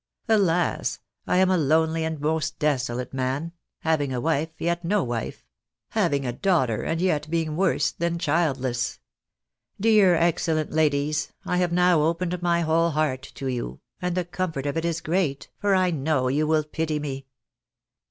Alas ! I am a lonely and most desolate man ! having a wife, yet no u 2 324 THE BARXABYS IN AMERICA. wife ! having a daughter, and yet being worse than childless ! Dear, excellent ladies, I have now opened my whole heart to you, and the comfort of it is great, for I know you will pity me